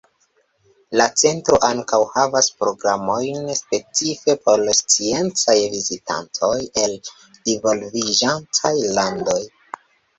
La centro ankaŭ havas programojn specife por sciencaj vizitantoj el divolviĝantaj landoj.